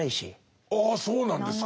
ああそうなんですか。